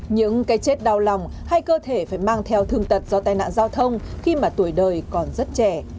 những cái chết đau lòng hay cơ thể phải mang theo thương tật do tai nạn giao thông khi mà tuổi đời còn rất trẻ